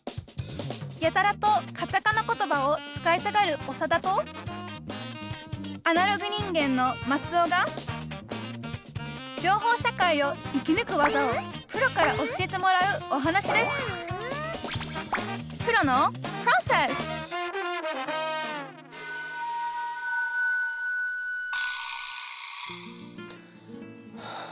やたらとカタカナ言葉を使いたがるオサダとアナログ人間のマツオが情報社会を生きぬく技をプロから教えてもらうお話ですはあ。